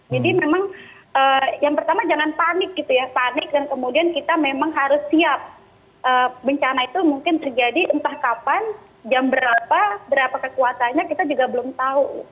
jadi memang yang pertama jangan panik gitu ya panik dan kemudian kita memang harus siap bencana itu mungkin terjadi entah kapan jam berapa berapa kekuatannya kita juga belum tahu